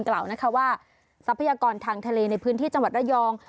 กล่าวนะคะว่าทรัพยากรทางทะเลในพื้นที่จังหวัดระยอง